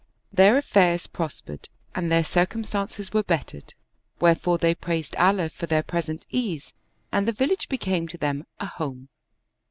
Their affairs prospered and their cir cumstances were bettered; wherefore they praised Allah for their present ease and the village became to them a home.